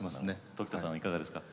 常田さんはいかがですか？